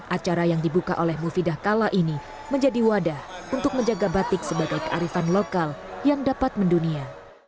acara yang dibuka oleh mufidah kala ini menjadi wadah untuk menjaga batik sebagai kearifan lokal yang dapat mendunia